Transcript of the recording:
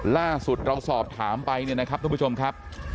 ล่าสุดเราสอบถามไปเนี่ยนะครับทุกผู้ชมครับ